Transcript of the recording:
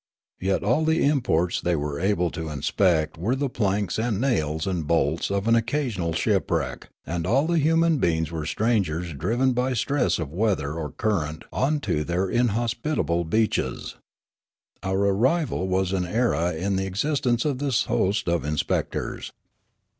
Yet all the imports thej' were able to inspect were the planks and nails and bolts of an occasional shipwreck, and all the human beings were strangers driven by stress of weather or current on to their inhospitable beaches. Our arrival was an era in the existence of this host of inspectors.